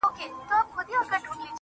هغې ويله چي برزخ د زندگۍ نه غواړم_